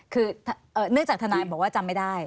คือเนื่องจากทนายบอกว่าจำไม่ได้